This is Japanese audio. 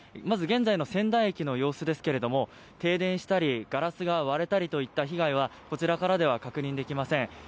まず現在の仙台駅の様子ですが停電したりガラスが割れたりといった被害はこちらからでは確認できません。